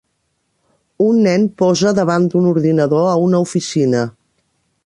Un nen posa davant d'un ordinador a una oficina.